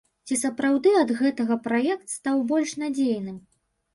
Ці сапраўды ад гэтага праект стаў больш надзейным?